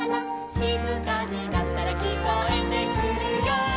「しずかになったらきこえてくるよ」